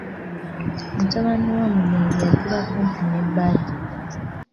Mutabani w'Omugenzi yatuula kumpi ne Badru.